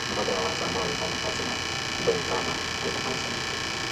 Mmoja ya watu ambao walifanya kazi na Guevara alipokuwa nchini